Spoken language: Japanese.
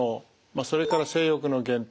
それから性欲の減退。